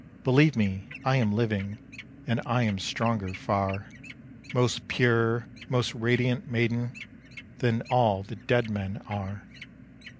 Believe me, I am living; And I am stronger far, Most pure, most radiant maiden, Than all the dead men are.